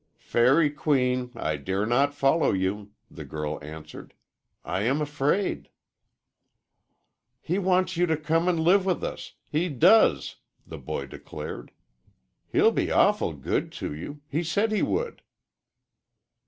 "Fairy queen I dare not follow you," the girl answered. "I am afraid." "He wants you to come and live with us he does," the boy declared. "He'll be awful good to you he said he would."